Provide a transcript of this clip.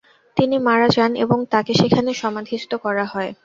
তিনি মারা যান এবং তাকে সেখানে সমাধিস্থ করা হয়।